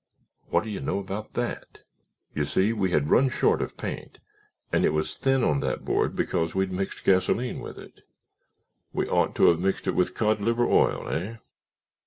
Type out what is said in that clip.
What do you know about that? You see, we had run short of paint and it was thin on that board because we'd mixed gasoline with it. We ought to have mixed it with cod liver oil, hey?